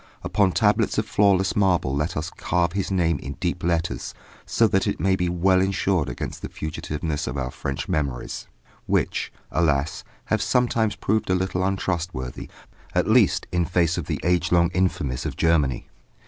Upon tablets of flawless marble let us carve his name in deep letters so that it may be well insured against the fugitiveness of our French memories, which, alas! have sometimes proved a little untrustworthy, at least in face of the age long infamies of Germany.